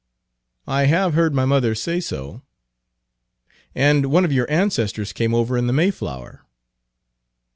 "I have heard my mother say so." "And one of your ancestors came over in the Mayflower."